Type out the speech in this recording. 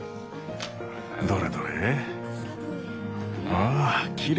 どれどれ？